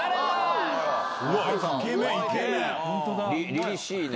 りりしいね。